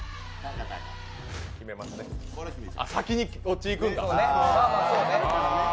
先にそっちいくんだ。